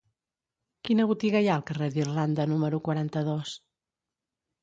Quina botiga hi ha al carrer d'Irlanda número quaranta-dos?